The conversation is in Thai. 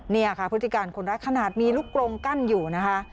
นี่ค่ะพฤติการคนร้ายขนาดมีลูกกลงกั้นอยู่นะคะ